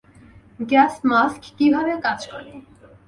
Gas mask কীভাবে কাজ করে?